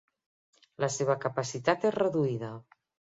La seva capacitat és reduïda.